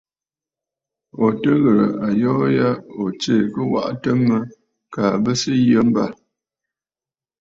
Ò tɨ ghɨ̀rə̀ ayoo ya ò tsee kɨ waʼatə mə kaa bɨ sɨ yə mbâ.